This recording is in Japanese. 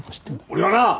俺はな